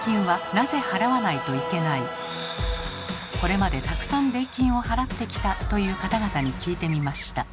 これまでたくさん礼金を払ってきたという方々に聞いてみました。